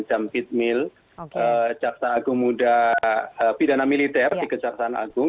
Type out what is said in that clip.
jambit mil caksa agung muda pidana militer di kejaksaan agung